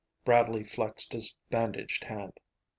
Bradley flexed his bandaged hand.